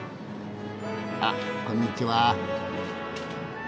あっこんにちは。